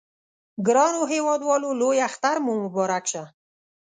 ګرانو هیوادوالو لوی اختر مو مبارک شه!